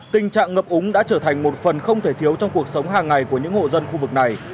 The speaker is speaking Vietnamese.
tình trạng ngập úng đã trở thành một phần không thể thiếu trong cuộc sống hàng ngày của những hộ dân khu vực này